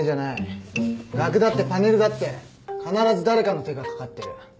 額だってパネルだって必ず誰かの手がかかってる。